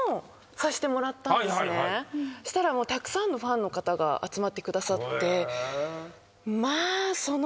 そしたらたくさんのファンの方が集まってくださってまあその。